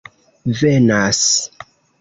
venas